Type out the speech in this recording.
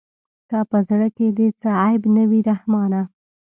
که په زړه کښې دې څه عيب نه وي رحمانه.